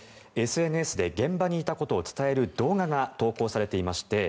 ＳＮＳで現場にいたことを伝える動画が投稿されていまして